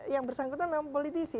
yang bersangkutan dengan politisi